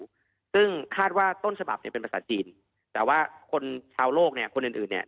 ซึ่งคาดว่าต้นฉบับเนี่ยเป็นภาษาจีนแต่ว่าคนชาวโลกเนี่ยคนอื่นอื่นเนี่ย